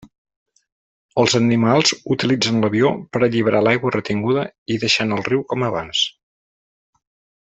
Els animals utilitzen l'avió per alliberar l'aigua retinguda i deixant el riu com abans.